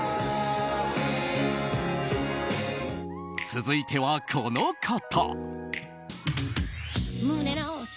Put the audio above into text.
続いては、この方。